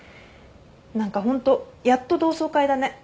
何かホントやっと同窓会だね。